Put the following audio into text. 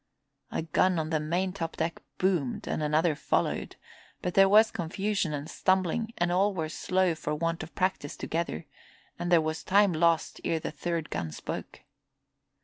A gun on the maintop deck boomed and another followed; but there was confusion and stumbling and all were slow for want of practice together, and there was time lost ere the third gun spoke.